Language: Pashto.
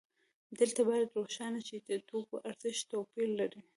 دلته باید روښانه شي چې د توکو ارزښت توپیر لري